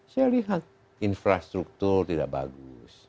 saya lihat infrastruktur tidak bagus